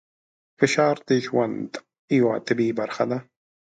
فشار د ژوند یوه طبیعي برخه ده.